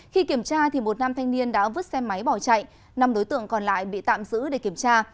khi kiểm tra một nam thanh niên đã vứt xe máy bỏ chạy năm đối tượng còn lại bị tạm giữ để kiểm tra